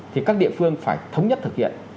thì các địa phương phải thống nhất thực hiện